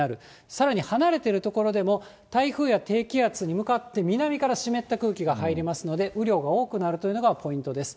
さらに離れている所でも台風や低気圧に向かって南から湿った空気が入りますので、雨量が多くなるというのがポイントです。